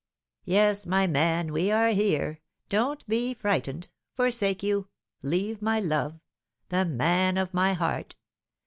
"Yes, my man, we are here; don't be frightened. Forsake you! leave my love! the man of my heart!